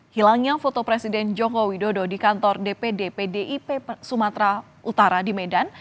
hilangnya foto presiden joko widodo di kantor dpd pdip sumatera utara di medan